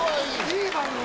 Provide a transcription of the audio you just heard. いい番組！